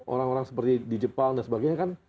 orang orang seperti di jepang dan sebagainya kan